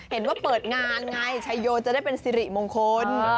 เห็นว่าเปิดงานไงชัยโยจะได้เป็นสิริมงคล